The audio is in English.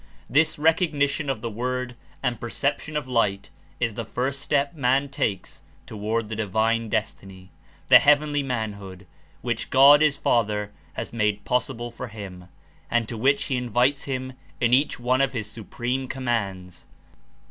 This recognition of the Word and perception of Light is the first step man takes toward the divine destiny, the heavenly manhood, which God his Father has made possible for him, and to which he Invites him In each one of his supreme commands.